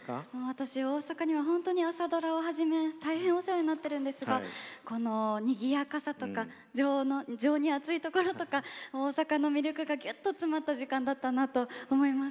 私、大阪には本当に、朝ドラをはじめ大変、お世話になっていますがこのにぎやかさとか情に厚いところとか大阪の魅力がぎゅっと詰まった時間だったなと思います。